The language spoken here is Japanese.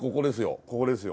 ここですよ